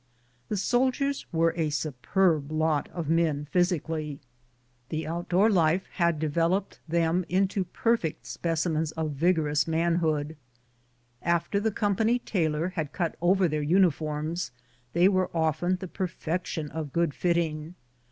The soldiers were a superb lot of men physically. The out door life had developed them into perfect spec imens of vigorous manhood. After the company tailor had cut over their uniforms, they were often the per fection of good fitting.